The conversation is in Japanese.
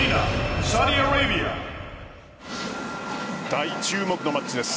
大注目のマッチです。